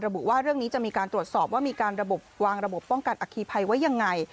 บุว่าเรื่องนี้จะมีการตรวจสอบว่ามีการระบบวางระบบป้องกันอคีภัยไว้ยังไง